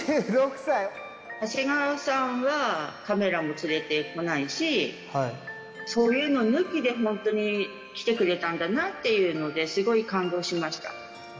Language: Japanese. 長谷川さんはカメラも連れてこないし、そういうの抜きで本当に来てくれたんだなっていうので、すごい感動しました。